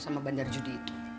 sama bandar judi itu